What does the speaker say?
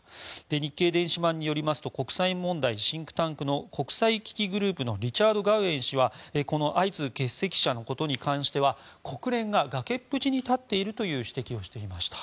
日経電子版によりますと国際問題シンクタンクの国際危機グループのリチャード・ガウエン氏はこの相次ぐ欠席者に関しては国連は崖っぷちに立っているという指摘をしていました。